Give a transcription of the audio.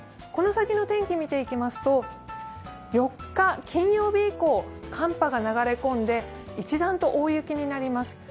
この先の天気を見ていきますと４日、金曜日以降寒波が流れ込みますので一段と大雪になります。